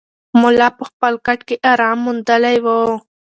ملا په خپل کټ کې ارام موندلی و.